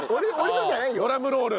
ドラムロール。